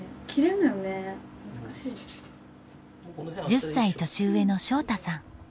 １０歳年上の翔大さん。